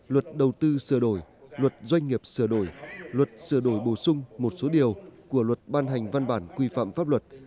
luật đầu tư sửa đổi luật doanh nghiệp sửa đổi luật sửa đổi bổ sung một số điều của luật ban hành văn bản quy phạm pháp luật